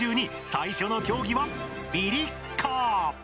最初の競技は、ビリッカー。